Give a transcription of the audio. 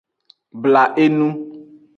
Bla enu.